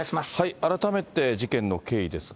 改めて事件の経緯ですが。